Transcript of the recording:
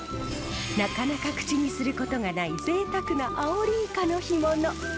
なかなか口にすることがないぜいたくなアオリイカの干物。